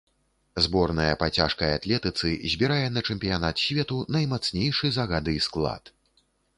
Зборная па цяжкай атлетыцы збірае на чэмпіянат свету наймацнейшы за гады склад.